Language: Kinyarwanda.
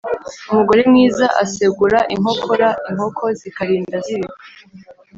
Umugore mwiza asegura inkokora inkoko zikarinda zibika.